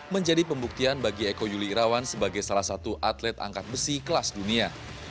menjadi pembuktian bagi eko yuli irawan sebagai salah satu atlet angkat besi kelas dunia